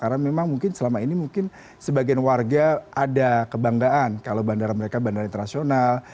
karena memang mungkin selama ini mungkin sebagian warga ada kebanggaan kalau bandara mereka bandara internasional